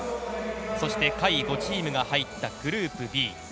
そして下位５チームが入ったグループＢ。